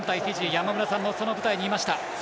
山村さんもその舞台にいました。